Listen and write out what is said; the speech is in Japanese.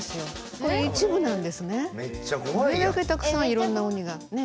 これだけたくさんいろんな鬼が。